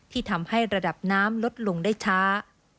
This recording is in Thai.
ทำให้ระดับน้ำลดลงได้ช้า